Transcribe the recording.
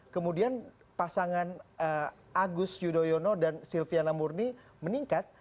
kemudian pasangan agus yudhoyono dan silviana murni meningkat